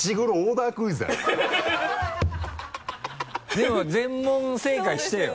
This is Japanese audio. でも全問正解してよ。